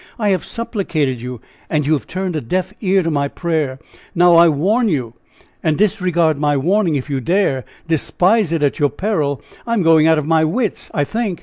I have supplicated you, and you have turned a deaf ear to my prayer! Now I warn you! and disregard my warning, if you dare! despise it at your peril! I am going out of my wits, I think!